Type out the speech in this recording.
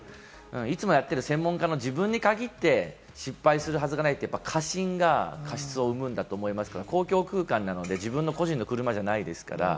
いつもやってる専門家の自分に限って失敗するはずないって過信が過失を生むんだと思いますから、公共空間なので自分の個人の車じゃないですから。